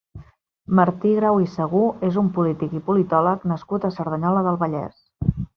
Martí Grau i Segú és un polític i politòleg nascut a Cerdanyola del Vallès.